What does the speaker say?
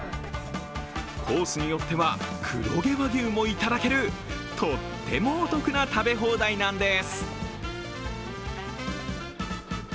コースによっては黒毛和牛もいただけるとってもお得な食べ放題なんです。